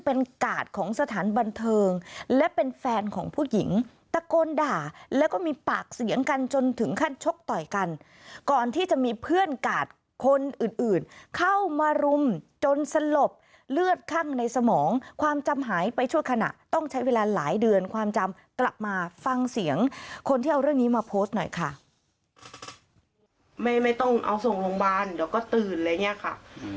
ปากเสียงกันจนถึงขั้นชกต่อยกันก่อนที่จะมีเพื่อนกาดคนอื่นเข้ามารุมจนสลบเลือดคั่งในสมองความจำหายไปชั่วขณะต้องใช้เวลาหลายเดือนความจำกลับมาฟังเสียงคนที่เอาเรื่องนี้มาโพสต์หน่อยค่ะ